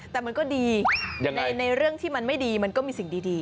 แต่มันก็ดีในเรื่องที่มันไม่ดีมันก็มีสิ่งดี